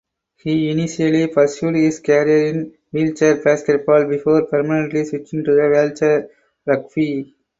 He initially pursued his career in wheelchair basketball before permanently switching to wheelchair rugby.